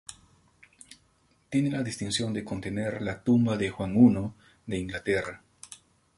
Tiene la distinción de contener la tumba de Juan I de Inglaterra.